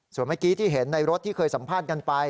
ส่วนเมื่อกี้ที่เห็นในรถที่เคยสัมภาษณ์กันไป